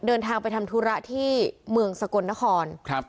เดินทางไปทำธุระที่เมืองสกลนครครับ